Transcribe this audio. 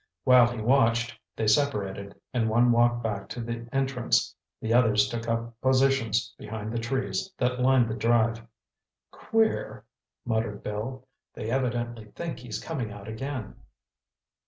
While he watched, they separated, and one walked back to the entrance, the others took up positions behind the trees that lined the drive. "Queer," muttered Bill. "They evidently think he's coming out again."